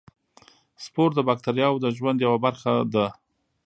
سپور د باکتریاوو د ژوند یوه برخه ده.